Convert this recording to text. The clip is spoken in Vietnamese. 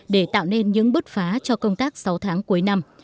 để tạo nên những bứt phá cho công tác sáu tháng cuối năm